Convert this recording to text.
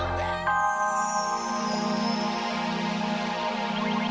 maksudmu kak tuhan susah tuhan